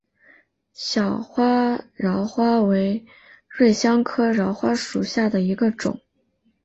小花荛花为瑞香科荛花属下的一个种。